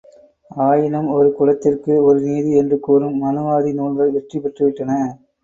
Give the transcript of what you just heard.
ஆயினும் ஒரு குலத்திற்கு ஒரு நீதி என்று கூறும் மனுவாதி நூல்கள் வெற்றி பெற்று விட்டன.